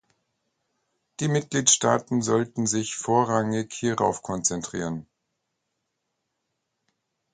Die Mitgliedstaaten sollten sich vorrangig hierauf konzentrieren.